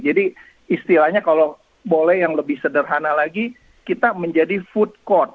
jadi istilahnya kalau boleh yang lebih sederhana lagi kita menjadi food court